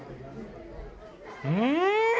うん！